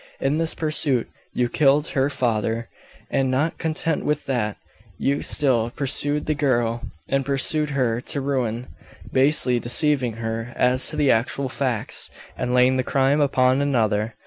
In this pursuit you killed her father; and not content with that, you still pursued the girl and pursued her to ruin, basely deceiving her as to the actual facts, and laying the crime upon another.